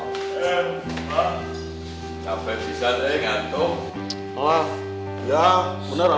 sampai sisa teh ngantuk